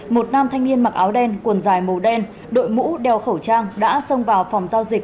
một nam thanh niên mặc áo đen quần dài màu đen đội mũ đeo khẩu trang đã xông vào phòng giao dịch